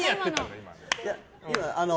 今。